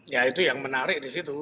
ya itu yang menarik di situ